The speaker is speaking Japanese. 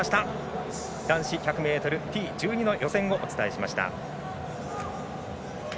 男子１００ｍＴ１２の予選をお伝えしました。